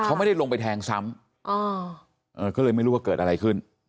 เขาไม่ได้ลงไปแทงซ้ำก็เลยไม่รู้ว่าเกิดอะไรขึ้น